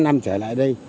năm năm trở lại đây